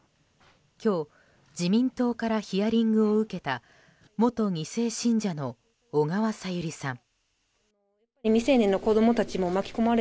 今日、自民党からヒアリングを受けた元２世信者の小川さゆりさん。